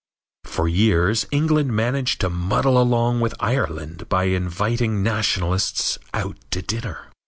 For years England managed to muddle along with Ireland by inviting nationalists out to dinner.